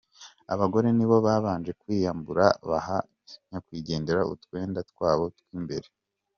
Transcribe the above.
Abagore nibo babanje kwiyambura baha nyakwigendera utwenda twabo tw'imbere.